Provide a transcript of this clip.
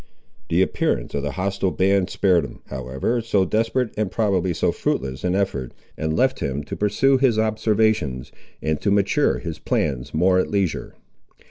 The appearance of the hostile band spared him, however, so desperate and probably so fruitless an effort, and left him to pursue his observations, and to mature his plans more at leisure.